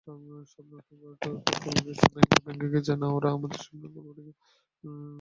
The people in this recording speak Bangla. স্বপ্ন টুটে গেছে, ভেঙে গেছে- না, ওরা আমাদের স্বপ্নকে গলাটিপে হত্যা করেছে।